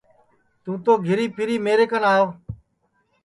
توں تو گھیری پھیر میرے کن آو